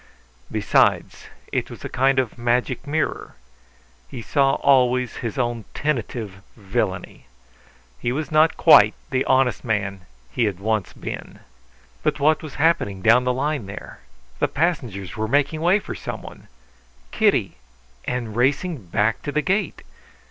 Besides, it was a kind of magic mirror; he saw always his own tentative villainy. He was not quite the honest man he had once been. But what was happening down the line there? The passengers were making way for someone. Kitty, and racing back to the gate!